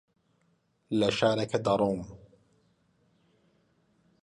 لە شارەکە دەڕۆم.